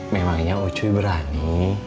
memangnya ucuy berani